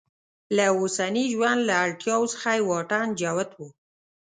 له اوسني ژوند له اړتیاوو څخه یې واټن جوت و.